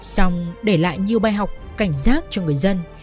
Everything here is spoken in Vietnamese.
xong để lại nhiều bài học cảnh giác cho người dân